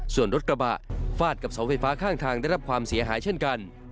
ส่วนรถกระบะฟาดกับเสาไฟฟ้าข้างทางได้รับความเสียหายเช่นกัน